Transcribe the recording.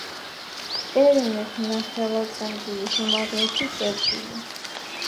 პირენეს ნახევარკუნძულის უმაღლესი წერტილი.